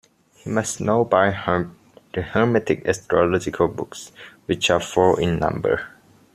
He must know by heart the Hermetic astrological books, which are four in number.